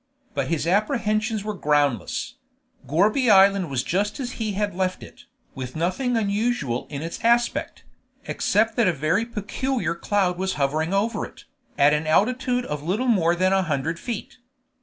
But his apprehensions were groundless; Gourbi Island was just as he had left it, with nothing unusual in its aspect, except that a very peculiar cloud was hovering over it, at an altitude of little more than a hundred feet.